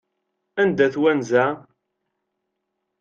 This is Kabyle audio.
Anda-t wanza?